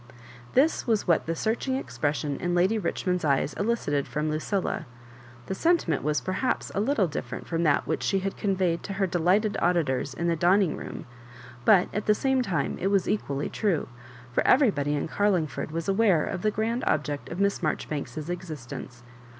This was what the searching expression in Lady Richmond's eyes elicited from Lucilla. The sentiment was perhaps a little different from that which she had conveyed to her delighted auditors in the dining room, but at the same time it was equally true ; for everybody in Carlingford was aware of the grand object of Miss Marjoribanks's existence.